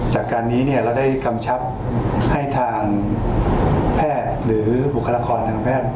จากการนี้เราได้กำชับให้ทางแพทย์หรือบุคลากรทางแพทย์